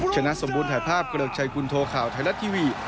ชนะสมบูรณถ่ายภาพเกริกชัยคุณโทข่าวไทยรัฐทีวี